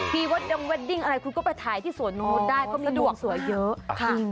พี่วัดดิงอะไรคุณก็ไปถ่ายที่สวนลงนุษย์ได้ก็มีมุมสวยเยอะ